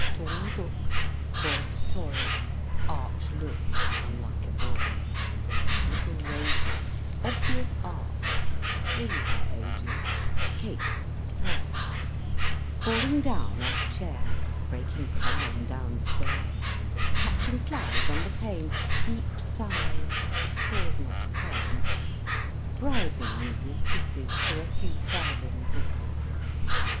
Torn books, spoilt toys: Arch looks, unlike a boy's; Little rages, obvious arts; (Three her age is), cakes, tarts; Falling down off chairs; Breaking crown down stairs; Catching flies on the pane; Deep sighs cause not plain; Bribing you with kisses For a few farthing blisses.